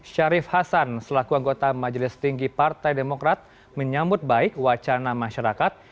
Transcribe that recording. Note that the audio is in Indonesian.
syarif hasan selaku anggota majelis tinggi partai demokrat menyambut baik wacana masyarakat